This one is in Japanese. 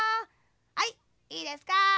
はいいいですか？」。